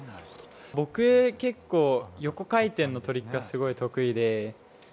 僕、結構、横回転のトリックがすごい得意で。